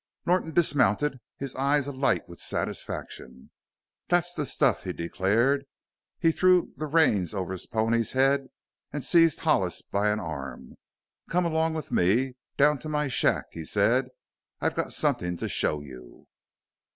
Norton dismounted, his eyes alight with satisfaction. "That's the stuff!" he declared. He threw the reins over his pony's head and seized Hollis by an arm. "Come along with me down to my shack," he said; "I've got somethin' to show you."